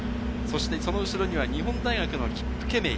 その後ろには日本大学のキップケメイ。